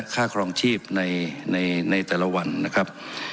ครองชีพในแต่ละวันนะครับ